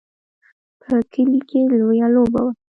په کلي کې لویه لوبه وه.